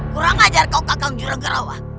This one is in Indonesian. kurang ajar kau kakak yang jurang gerawah